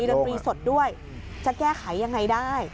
มีเรียนบรีสดด้วยจะแก้ไขยังไงได้